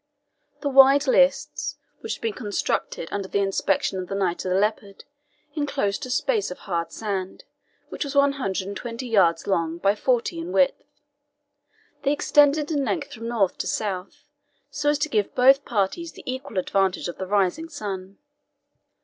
The wide lists, which had been constructed under the inspection of the Knight of the Leopard, enclosed a space of hard sand, which was one hundred and twenty yards long by forty in width. They extended in length from north to south, so as to give both parties the equal advantage of the rising sun.